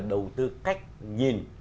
đầu tư cách nhìn